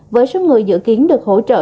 với số người dự kiến được hỗ trợ